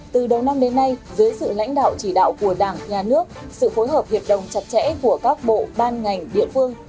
từ đầu năm đến nay dưới sự lãnh đạo chỉ đạo của đảng nhà nước sự phối hợp hiệp đồng chặt chẽ của các bộ ban ngành địa phương